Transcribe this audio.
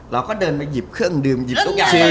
เราก็เดินไปหยิบเครื่องดื่มหยิบทุกอย่าง